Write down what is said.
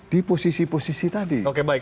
di posisi posisi tadi oke baik